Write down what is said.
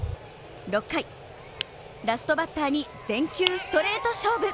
６回、ラストバッターに全球ストレート勝負。